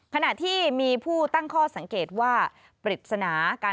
ขณะที่มีผู้ตั้งข้อสังเกตว่าปริศนา